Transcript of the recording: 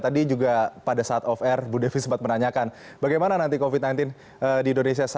tadi juga pada saat off air bu devi sempat menanyakan bagaimana nanti covid sembilan belas di indonesia